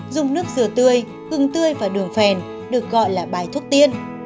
dùng nước dừa tươi ưng tươi và đường phèn được gọi là bài thuốc tiên